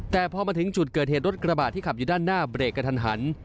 แต่พอมาถึงจุดเกิดเหตุรถกระบาดที่ขับอยู่ด้านหน้าเบรกกระทันหัน